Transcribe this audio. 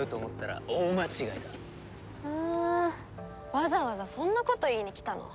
わざわざそんなこと言いに来たの？